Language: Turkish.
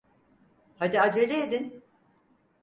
Hadi acele edin!